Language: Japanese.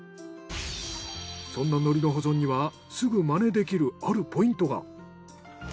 そんな海苔の保存にはすぐマネできるあるポイントが。